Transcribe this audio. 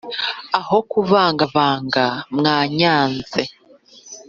aho kuvanga vanga wanyanze